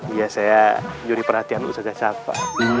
iya saya nyuri perhatian ustadz cacapa